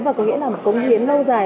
và có nghĩa là công hiến lâu dài